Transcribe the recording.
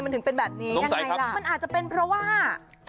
มันถึงเป็นแบบนี้ยังไงล่ะมันอาจจะเป็นเพราะว่า